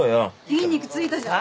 筋肉ついたじゃん。